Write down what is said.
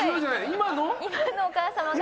今のお母様が。